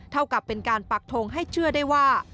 เท่ากับเป็นการปักทงให้เชื่อได้ว่า